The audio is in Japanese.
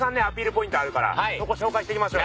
ポイントあるからそこ紹介していきましょうよ。